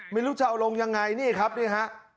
ไม่รู้จะเอาลงยังไงนี่ครับนี่ฮะ